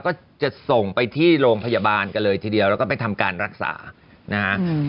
ก็จะส่งไปที่โรงพยาบาลกันเลยทีเดียวแล้วก็ไปทำการรักษานะฮะ